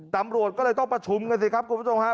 ตำรวจก็เลยต้องประชุมกันสิครับคุณผู้ชมฮะ